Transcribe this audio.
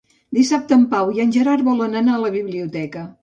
Dissabte en Pau i en Gerard volen anar a la biblioteca.